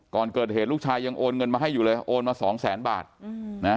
ก่อนเกิดเหตุลูกชายยังโอนเงินมาให้อยู่เลยโอนมาสองแสนบาทนะ